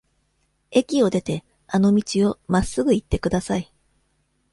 駅を出て、あの道をまっすぐ行ってください。